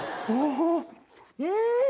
うん！